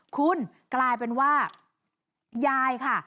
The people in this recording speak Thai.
คุณกลายเป็นว่ายายค่ะ